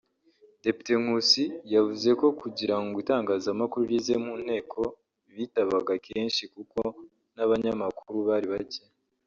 Depite Nkusi yavuze ko kugira ngo itangazamakuru rize mu nteko bitabaga kenshi kuko n’abanyamakuru bari bake